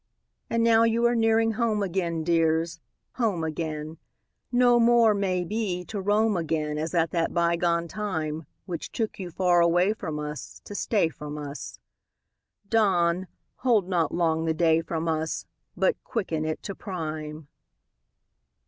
IV And now you are nearing home again, Dears, home again; No more, may be, to roam again As at that bygone time, Which took you far away from us To stay from us; Dawn, hold not long the day from us, But quicken it to prime!